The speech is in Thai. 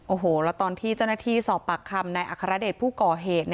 โอ้โหแล้วตอนที่เจ้าหน้าที่สอบปากคำนายอัครเดชผู้ก่อเหตุ